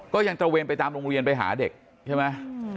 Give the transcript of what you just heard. ก็ยังตระเวนไปตามโรงเรียนไปหาเด็กใช่ไหม